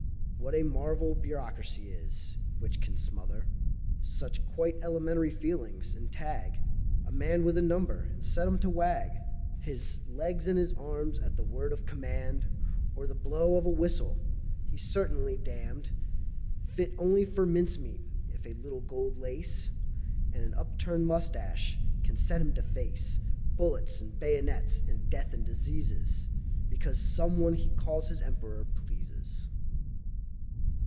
What a marvel bureaucracy is, which can smother Such quite elementary feelings, and tag A man with a number, and set him to wag His legs and his arms at the word of command Or the blow of a whistle! He's certainly damned, Fit only for mince meat, if a little gold lace And an upturned moustache can set him to face Bullets, and bayonets, and death, and diseases, Because some one he calls his Emperor, pleases.